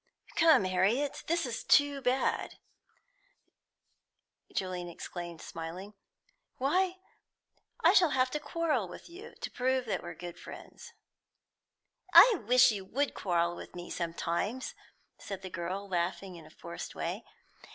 "Come, Harriet, this is too bad," Julian exclaimed, smiling. "Why, I shall have to quarrel with you, to prove that we're good friends." "I wish you would quarrel with me sometimes," said the girl, laughing in a forced way.